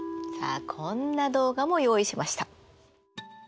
さあこんな動画も用意しました。